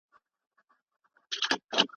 ایا ته په بهرنیو علمي اصطلاحاتو پوهیږې؟